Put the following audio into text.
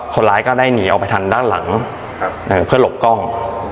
คนร้ายก็ได้หนีออกไปทางด้านหลังเพื่อหลบกล้อง